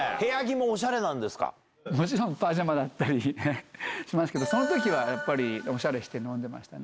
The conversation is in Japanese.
もちろんパジャマだったりしますけど、そのときは、やっぱり、おしゃれして飲んでましたね。